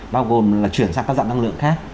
bao gồm là chuyển sang các dạng năng lượng khác